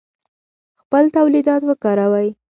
خپل تولیدات وکاروئ.